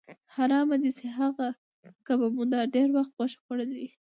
حرامه دې شي که به مو دا ډېر وخت غوښه خوړلې وي.